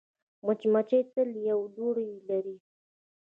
مچمچۍ تل یو لوری لري